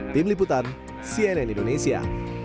tim liputan cnn indonesia